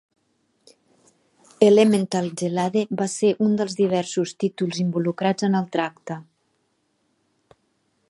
"Elemental Gelade" va ser un dels diversos títols involucrats en el tracte.